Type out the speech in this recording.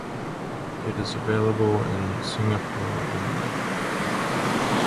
It is available in Singapore only.